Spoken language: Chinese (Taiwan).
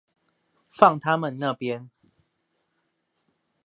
放他們那邊